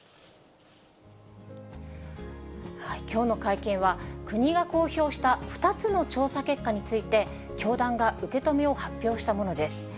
きょうの会見は、国が公表した２つの調査結果について、教団が受け止めを発表したものです。